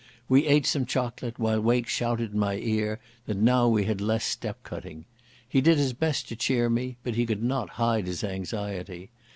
We ate some chocolate, while Wake shouted in my ear that now we had less step cutting. He did his best to cheer me, but he could not hide his anxiety.